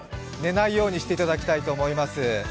寝ないようにしていただきたいと思います。